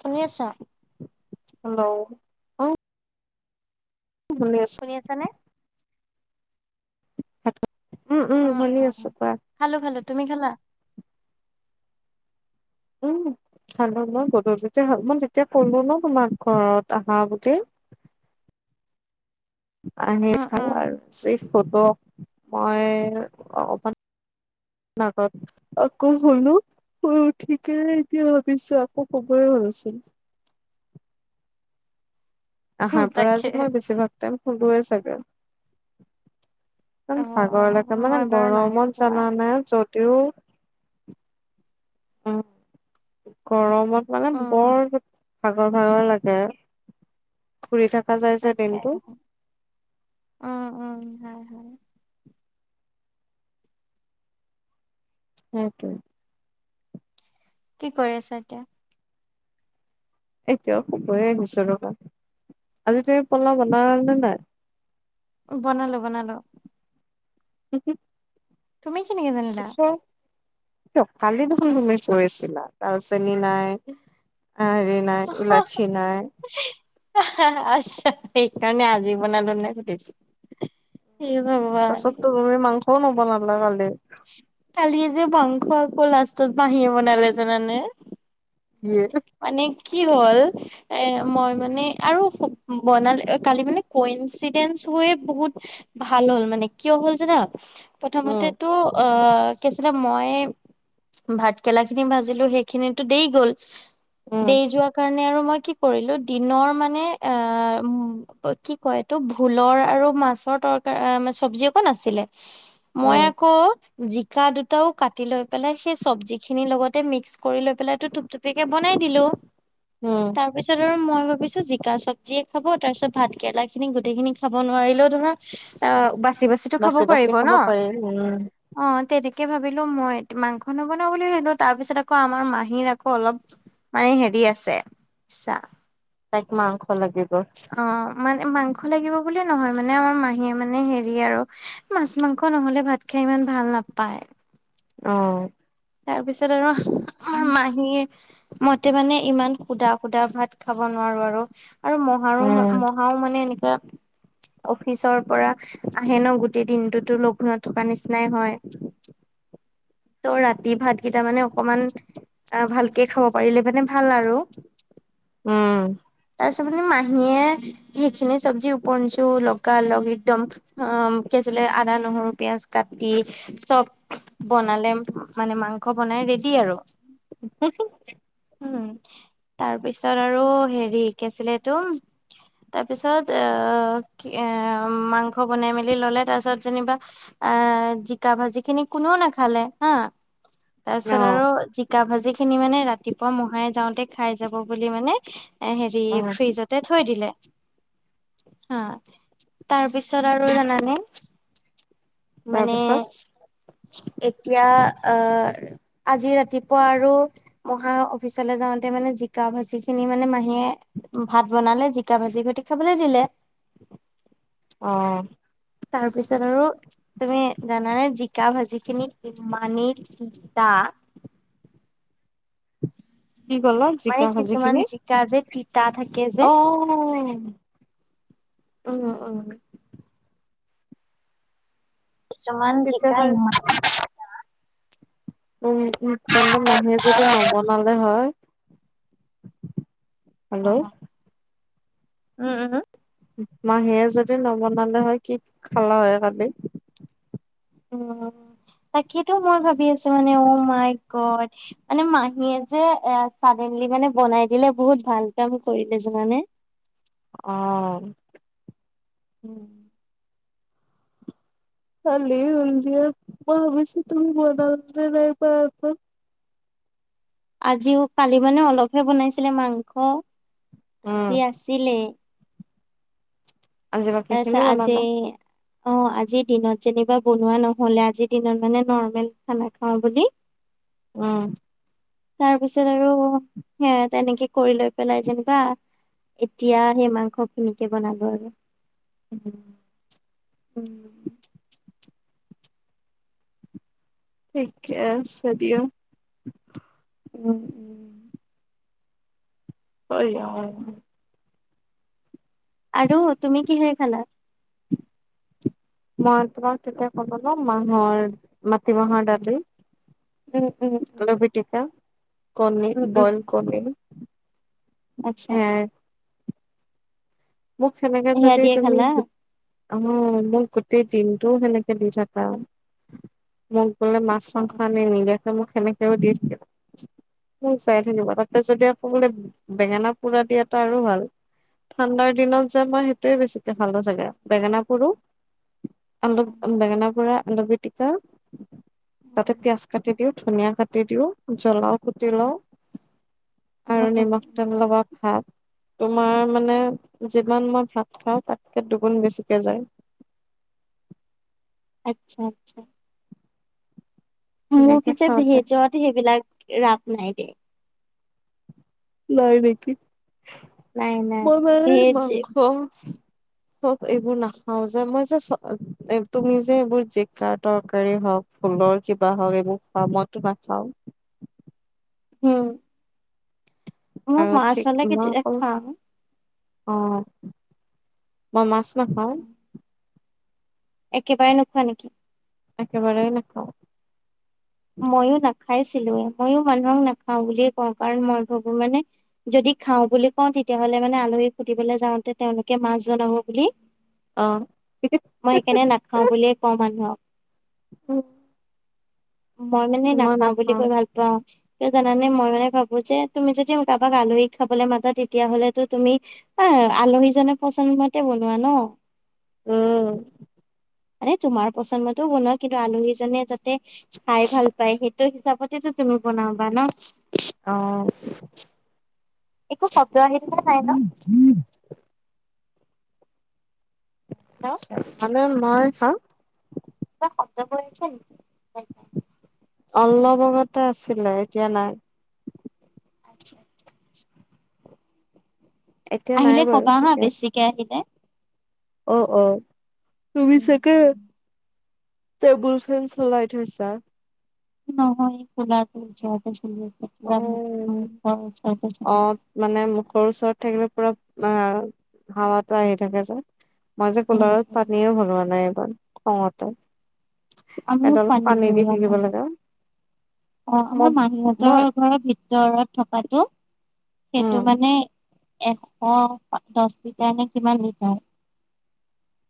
শুনি আছ? হেল্ল', অ শুনি আছোঁ ', শুনি আছা নে? হয়', উম', - উম', শুনি আছোঁ কোৱা', খালোঁ', - খালোঁ', তুমি খালা? উম', খালোঁ মই গধূলিতে খালোঁ মই তেতিয়া কলো নহ তোমাক ঘৰত আহা বুলি', আহি উম, উম, খালোঁ আৰু চিক টোটো মই অকমান', নাকত', আকৌ শোলো, শোই উঠি কিনে এতিয়া ভাবিছোঁ আকৌ শোবই হলচোন', হুম, আহাৰ পৰা তাকে। আজি মই বেছিভাগ টাইম নোধোৱে চাগৈ', অ', ইমান, ভাগৰ লাগে অ', মানে মই বাৰু নাই গৰমত খোৱা। জানা নে যদিও', উম', গৰমত মানে উম, বৰ ভাগৰ-ভাগৰ লাগে', ঘুৰি থকা যে', তাকে দিনটো উ', -উ', উম', - উম', হয়', - হয়', সেইটোৱে', কি কৰি আছা এতিয়া? এতিয়াও শুবয়ে গৈছোঁ ৰবা, আজি তুমি পোলাও বনালে নে নাই‌? বনালো-বনালো ', হুম', -হুম', তুমি কেনেকে জানিলা? আছে', কিয় কালি দেখোন তুমি কই আছিলা, দালচেনি নাই আৰু', নাই ইলাচী নাই', হিঃ হা', -হা', আচ্ছা সেইকাৰণে আজি বনালোঁ নে সুধিছা', কি হ'ব বা', তাৰপাছত ত, তুমি মাংসও নবনালা কালি', কালি যে মাংস আকৌ লাষ্টত মাহীয়ে বনালে জানানে', কি হে? মানে কি হ'ল? এ মই মানে আৰু বনালে কালি মানে কওঁ এক্সিডেণ্টচ হৈয়ে বহুত ভাল হ'ল মানে কিয় হ'ল যানা উম প্ৰথমতেটো অহ কি আছিলে মই ভাত কেৰেলা খিনি ভাজিলো সেইখিনিটো দেৰি গ'ল। উম দেৰি যোৱা কাৰণে আৰু মই কি কৰিলো দিনৰ মানে আহ কি কয় এইটো, ভোলৰ আৰু মাছৰ তৰকাৰ চবজি অকণ আছিলে মই উম আকৌ', জিকা দুটাও কাটি লৈ পেলাই সেই চব্জি খিনি লগতে মিক্স কৰি লৈ পেলাইটো থুপ থুপিয়াকে ব', বনাই দিলোঁ, উম তাৰপিছত আৰু মই ভাবিছোঁ জিকা চব', যিয়ে খাব, তাৰপিছত ভাত কেৰেলা খিনি গোটেই খিনি খাব নোৱাৰিলেও ধৰা', আহ', বাচি- বাচিটো খাব বাচি বাচি পাৰিব খাব নহ', পাৰি উম অ তেনেকে ভাবিলো মই মাংস নবনাওঁ বুলিও ভাবিলো তাৰ পিছত আকৌ আমাৰ মাহীৰ আকৌ অলপ মানে হেৰি আছে‌ বুইছা, তাইক মাংস লাগিব। অ মানে মাংস লাগিব বুলি নহয় মানে আমাৰ মাহীয়ে মানে হেৰি আৰু মাছ মাংস নহলে ভাত খাই ইমান ভাল নাপায়। অহ তাৰপিছত আৰু মাহীয়ে মতে মানে ইমান সুধা সুধা ভাত খাব নোৱাৰোঁ আৰু আৰু মহাৰো উম মহ খাও মানে এনেকে অফিচৰ পৰা আহে নহ গোটেই দিনটোতো লঘুনত থকা নিচিনাই হয় তহ ৰাতি ৰাতি ভাতকেইটা মানে অকমান অহ ভালকে খাব পাৰিলে মানে ভাল আৰু উম, তাৰপাছত মানে মাহীয়ে সেইখিনি চবজি ওপৰ ইঞ্চিও লগা লগ একদম অহ কি আছিলে আদা নহৰু পিয়াজ কাটি চব বনালে। মানে মাংস বনাই ৰেডি আৰু উম হ ম। উম তাৰপিছত আৰু হেৰি কি আছিলে এইটো। তাৰ পিছত আহ এ মাংস বনাই মেলি ললে তাৰ পিছত যেনিবা। আহ জিকা ভাজি খিনি কোনেও নাখালে হা। অ তাৰপিছত আৰু জিকা ভাজি খিনি মানে ৰাতিপুৱা মহাই যাওঁতে খাই যাব বুলি মানে। হেৰি অ ফ্ৰিজতে থৈ দিলে। হা তাৰ পিছত আৰু জানানে মানে তাৰপিছত এতিয়া আহ আজি ৰাতিপুৱা আৰু মহা অফিচলৈ যাওঁতে মানে জিকা ভাজি খিনি মানে মাহীয়ে ভাত বনালে জিকা ভাজি গুটি খাবলে দিলে। অহ তাৰপিছত আৰু তুমি জানানে জিকা ভাজি খিনি ইমানে টা কি কলা মানে জিকা ভাজি কিছুমান খিনি জিকা যে তিতা থাকে যে অহ অহ অহ, কিছুমান তেতিয়া জিকা চাগে ইমান [unintelligible] উ তেন্তে মাহীয়ে যদি নবনালে হয়। অ হেল্ল', উম উম, মাহীয়ে যদি নবনালে হয় কি খালা হয় কালি। উ তাকেটো মই ভাবি আছো মানে অ মাই গত। মানে মাহীয়ে যে এ চডেনলি মানে বনাই দিলে বহুত ভাল কাম কৰিলে যানা নে। অ [inaudible] ভালেই হ'ল দিয়া মই ভাবিছো তুমি বনাব পাৰিলা নে নাই পাৰ। আজিও পালি মানে অলপহে বনাইছিলে মাংস, উম আজি আছিলেই। আজি বাকী এছা খিনি আজি বনালা অ আজিৰ দিনত যেনিবা বনোৱা নহলে, আজিৰ দিনত মানে নৰ্মেল খানা খাওঁ বুলি। উম। তাৰ পিছত আৰু সে তেনেকে কৰি লৈ পেলাই যেনিবা। এতিয়া সেই মাংস খিনিকে বনাব আৰু [unintelligible] [unintelligible] ঠিকে আছে দিয়া। [unintelligible] [unintelligible] আৰু তুমি কিহেৰে খালা? মই তোমাক কেতিয়া কম ন, মৰ মাটি বাহৰ ডালি, উম উম। উম আলু পিটিকা, কণী উম বইল কণী। আতচ্ছা। এ মোক সেনেকে সেয়া যদি দিয়ে তুমি খালা অ মোৰ গোটেই দিনটো টো সেনেকে দি থাক। মোক বোলে আচ্ছা মাছ-মাংস আনি নিজে মোক সেনেকেও দিছিথাকে। চাই থাকিব, তাপছতে আকৌ বোলে বেঙেনা পোৰা দিয়া তটা আৰু ভাল। ঠাণ্ডাৰ দিনত যে মই সেইটোয়ে বেছিকে ভালো চাগে, বেঙেনা পুৰো, আলু উম বেঙেনা পৰা, আলু পিটিকা, তাতে উম পিয়াজ কাটি দিওঁ, ধনিয়া কাটি দিও, জ্বলাও কুটি লওঁ, উম আৰু উম নিমখ তেল লবা ভাত। তোমাৰ মানে যিমান মই ভাত খাওঁ, তাতকে দুগুণ বেছিকে যায়। আচ্ছা আচ্ছা। মোৰ সেনেকে পিছে খাওঁতে ভেজত সেইবিলাক ৰাপ নাই দেই। নাই নেকি? নাই নাই মই মানে ভেজ মাংস সব এইবো নাখ হ যে মই যে চ তুমি যে এইবোৰ জিকা তৰকাৰী হওক, ফুলৰ কিবা হওক, এইবোৰ বা মইটো নাখাওঁ। হম। আৰু চিক হ'লে মই কেতিয়া অকল খাওঁ। অঁ, মই মাছ নাখাওঁ। একেবাৰে নোখোৱা নিকি? একেবাৰে নেখাওঁ। ময়ো নাখাইছিলোৱে, মইয়ো মানুহক নাখাও বুলিয়ে কওঁ, কাৰণ মই ভবো মানে যদি খাও বুলি কওঁ তেতিয়াহলে মানে আলহীক সুধিবলৈ যাওঁতে তেওঁলোকে মাছ বনাব বুলি অঁ হি হি হে হে। খাওঁ বুলিয়ে কওঁ মানুহক। উম। মই মানে নাখাওঁ বুলি কৈ ভাল পাওঁ। কিয় জানানে? মই মানে ভাবো যে তুমি যদি কাবাক আলহী খাবলে মাতা তেতিয়াহলেতো তুমি অ এ আলহীজনে পচনমতে বনোৱা ন। উম। মানে তোমাৰ পচমতেও বনোৱা, কিন্তু আলহীজনে যাতে খাই ভাল পায়, সেইটো হিচাপতেটো তুমি বনাবা নহ‌? অঁ। একো শব্দ আহি থকা নাই ন? [unintelligible] হেল্ল' মানে মই, হা? কিবা শব্দবোৰ আহিছে নেকি? অলপ আগতে আছিলে এতিয়া নাই। এতিয়া নাই আহিলে বাৰু কবা হাঁ ঠিকে আছে বেছিকে আহিলে। অ অ। তুমি চাকে টেবুল ফেন চলাই থৈছা? নহয় এই কুলাৰটো ওচৰতে চলি আছে, পুৰা অ মুখৰ ওচৰতে চলি অ', আছে। মানে মুখৰ ওচৰত থাকিলে পুৰা আ হাৱাটো আহি থাকে যে। মই যে উম, কোলাৰত উম, পানীও ভৰোৱা নাই এবাৰ খঙতে। আমিও এদল পানী দি ভৰোৱা সিজিব নাই লাগে। অ আমাৰ মই মাহীঁহতৰ মই ঘৰৰ ভিতৰত থকাটো উম, সেইটো মানে এশ দশ লিটাৰ নে কিমান লিটাৰ।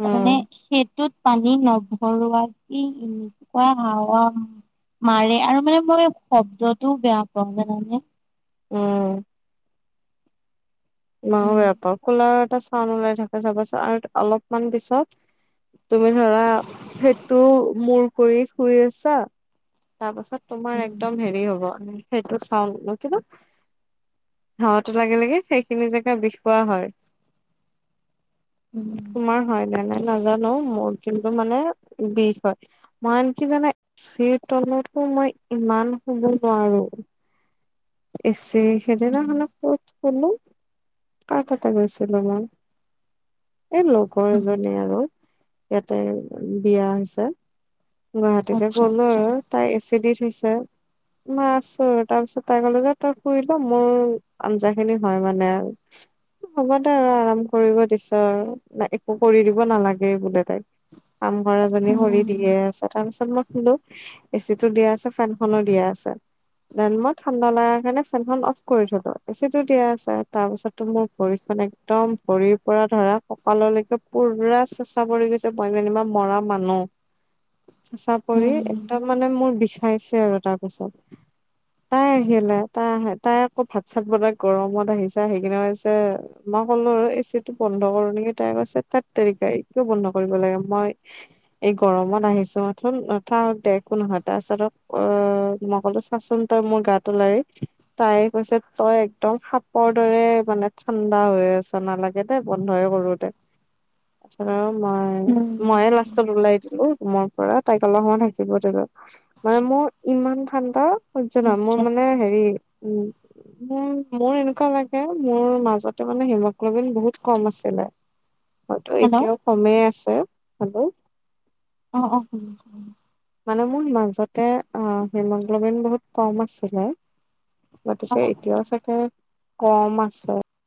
উম, তামেনেই সেইটোত। পানী নভৰোৱা কি এনেকুৱা হাৱা মাৰে আৰু মানে মই শব্দটোও বেয়া পাওঁ জানানে। উম। ময়ো উম বেয়া পাওঁ কোলাৰ এটা ছাউণ্ড ওলাই থাকে চাবচোন আৰু অলপমান পিছত তুমি ধৰা সেইটো মূৰ কৰি শুই আছা। তা পাছত তোমাৰ হুম একদম হেৰি হ'ব। সেইটো ছাউণ্ড কিবা, হাৱাটো লাগি লাগি সেই সেইখিনি জেগা বিষ কৰোৱা হয়। হুম তোমাৰ হয়নে নাই নাজানো মোৰ কিন্তু মানে বিষ হয়। মান কি জানেই চিৰ তলতো মই ইমান শুব নোৱাৰো। এছে হুম সেইদিনাখনে ক'ত কলো কা কাটা গৈছিলো মই। এ লগৰ হুম এজনী আৰু ইয়াতে বিয়া হৈছে। গুৱাহাটীতে আচ্ছা গ'লো আচ্ছা আৰু তাই এচি দি থৈছে, মা ছৰ আৰু তাৰ পিছত তাই ক'লো যে তই শুই ল, মোৰ আঞ্জাখিনি হয় মানে আৰু। হ'ব দে আৰু আৰাম কৰিব দিছ আৰু একো কৰি দিব নালাগে বোলে তাইক। কামঘৰ এজনী সৰি হুম দিয়ে আছে তাৰ পিছত মই শুলো। এচিটো দিয়া আছে, ফেনখনো দিয়া আছে, দেন ম ঠাণ্ডা লাগা কাৰণে ফেনখন অফ কৰি থলো এ‌ চিটো দিয়া আছে তাৰ পিছতটো মোৰ ভৰিখন একদম ভৰিৰ পৰা ধৰা ককাললৈকে পুৰা চেচা পৰি গৈছে ময় যেনেবা মৰা মানুহ। চেচা পৰি হুম একদম মানে মোৰ বিষাইছে আৰু তাৰপিছত। তাই আহিলে তাই আহে তাই আকৌ ভাত চাত বনাই গৰমত আহিছে আহি কিনে কৈছে মই ক'লো আৰু এ চি টো বন্ধ কৰো নেকি? তাই কৈছে‌ ঠেত তেৰিকা একো বন্ধ কৰিব লাগে মই এই গৰমত আহিছো মাথোন থাক দে একো নহয় তাছত অ মই কলো চাচোন। তই মোৰ গাতো লাৰি। তাই কৈছে তই একদম সাপৰ দৰে মানে ঠাণ্ডা হৈ আছ নালাগ- গেতে বন্ধয়ে কৰোতে চা মই হুম হুম ময়ে হুম লাষ্টত ওলাই দিলো। মৰ পৰাই তাইক অলপ সময় থাকিব দিলোঁ মানে মোৰ ইমান ঠাণ্ডা সহ্য না মই আচ্ছা মানে হেৰি উম। মোৰ মোৰ এনেকুৱা লাগে মোৰ মাজতে মানে হিমগ্লবিন বহুত কম আছিলে। হয়তো হেল্ল' এতিয়াও কমেই আছে হলো। অ অহ শুনিছোঁ শুনিছোঁ। মানে মোৰ মাজতে অ হিমগ্ল'বিন বহুত কম আছিলে। অ গতিকে অ এতিয়াও চাগে কম আছে।